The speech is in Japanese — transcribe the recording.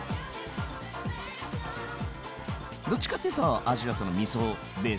どっちかっていうとみそベース。